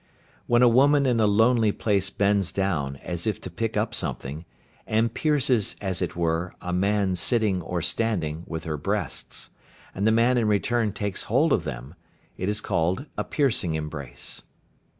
When a woman in a lonely place bends down, as if to pick up something, and pierces, as it were, a man sitting or standing, with her breasts, and the man in return takes hold of them, it is called a "piercing embrace."